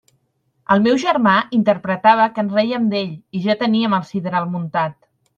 El meu germà interpretava que ens rèiem d'ell, i ja teníem el sidral muntat.